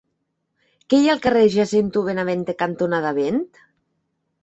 Què hi ha al carrer Jacinto Benavente cantonada Vent?